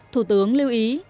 thủ tướng lưu ý